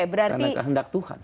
karena kehendak tuhan